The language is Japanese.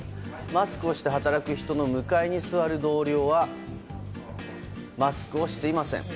マスクをして働く人の向かいに座る同僚はマスクをしていません。